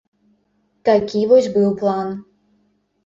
Такі вось быў план.